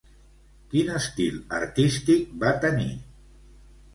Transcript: Quin estil artístic va tenir?